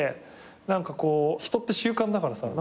何かこう人って習慣だからさ。